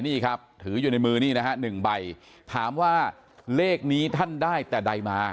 นี่ครับถืออยู่ในมือนี่นะฮะหนึ่งใบถามว่าเลขนี้ท่านได้แต่ใดมา